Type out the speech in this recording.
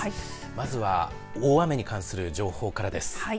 まずは大雨に関する情報からです。